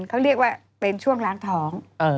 เขาเรียกว่าเป็นช่วงล้างท้อง